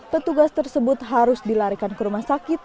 petugas tersebut harus dilarikan ke rumah sakit